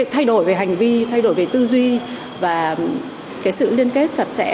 thay đổi về hành vi thay đổi về tư duy và sự liên kết chặt chẽ